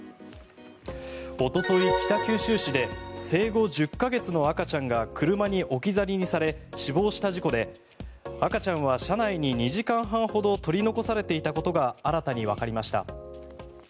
おととい、北九州市で生後１０か月の赤ちゃんが車に置き去りにされ死亡した事故で赤ちゃんは車内に２時間半ほど取り残されていたことが新たにわかりました。